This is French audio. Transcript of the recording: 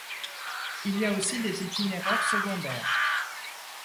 Il y a aussi des itinéraires secondaires.